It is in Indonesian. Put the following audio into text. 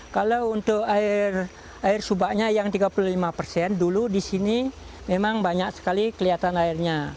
kalau untuk air subaknya yang tiga puluh lima persen dulu di sini memang banyak sekali kelihatan airnya